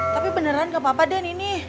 tapi beneran gak apa apa den ini